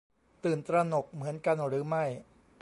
ตื่นตระหนกเหมือนกันหรือไม่